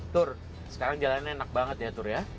tur sekarang jalan ini enak banget ya tur ya